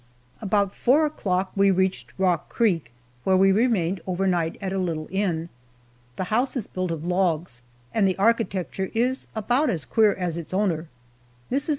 About four o'clock we reached Rock Creek, where we remained overnight at a little inn. The house is built of logs, and the architecture is about as queer as its owner. Mrs.